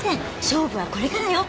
勝負はこれからよ。